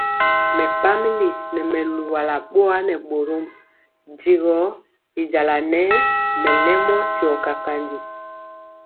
Mɛpamili nɛ mɛ luwala bɔa nɛ bórɔm ndi gɔ y jala nɛ mɛlɛmɔ tiɔ kakanji.